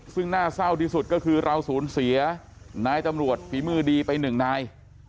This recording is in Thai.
ซึ่งน่าเศร้าที่สุดก็คือเราสูญเสียนายตำรวจฝีมือดีไปหนึ่งนาย